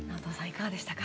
いかがでしたか？